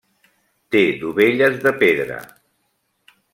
Té dovelles de pedra.